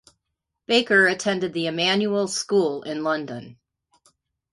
Baker attended the Emanuel School in London.